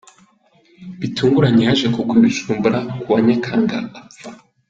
Bitunguranye yaje kugwa i Bujumbura kuwa Nyakanga apfa